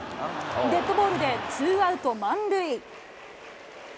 デッドボールでツーアウト満塁。